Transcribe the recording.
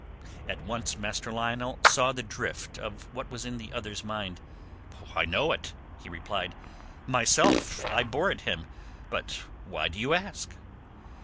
At once Master Lionel saw the drift of what was in the other's mind. "I know it," he replied. "Myself I bore it him. But why do you ask?"